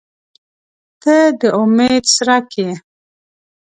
• ته د امید څرک یې.